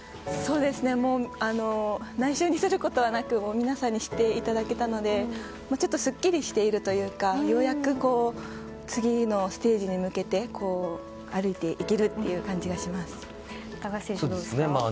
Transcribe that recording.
もう内緒にすることはなく皆さんに知っていただけたのでちょっとすっきりしているというかようやく、次のステージに向けて高橋選手はどうですか？